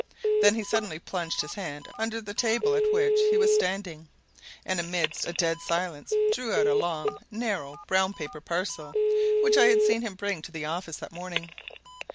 Then he suddenly plunged his hand under the table at which he was standing, and amidst a dead silence drew out a long, narrow brown paper parcel which I had seen him bring to the office that morning.